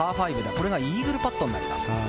これがイーグルパットになります。